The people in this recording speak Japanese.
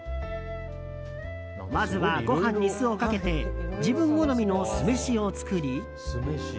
まずはご飯に酢をかけて自分好みの酢飯を作り。